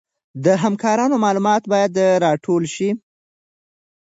د همکارانو معلومات باید راټول شي.